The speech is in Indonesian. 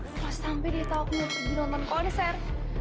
masih sampe dia tau aku mau pergi nonton konser